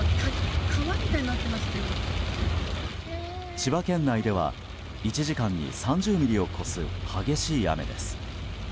千葉県内では１時間に３０ミリを超す激しい雨です。